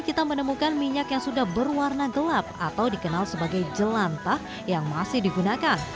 kita menemukan minyak yang sudah berwarna gelap atau dikenal sebagai jelantah yang masih digunakan